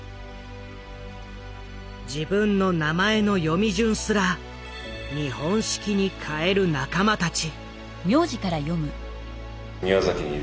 自分の名前の読み順すら日本式に変える仲間たち。